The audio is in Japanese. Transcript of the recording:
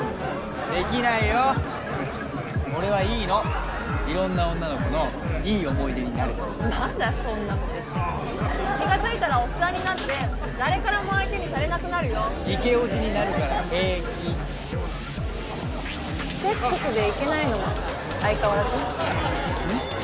できないよ俺はいいの色んな女の子のいい思い出になれたらまだそんなこと言って気がついたらおっさんになって誰からも相手にされなくなるよイケオジになるから平気セックスでいけないのも相変わらず？